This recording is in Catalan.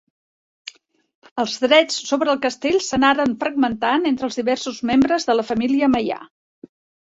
Els drets sobre el castell s'anaren fragmentant entre els diversos membres de la família Meià.